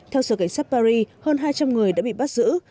theo sở cảnh sát paris hơn hai trăm linh người đã bị bắt giữ